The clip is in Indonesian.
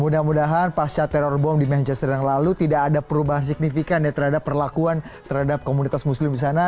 mudah mudahan pasca teror bom di manchester yang lalu tidak ada perubahan signifikan ya terhadap perlakuan terhadap komunitas muslim di sana